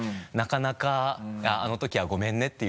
なかなか「あの時はごめんね」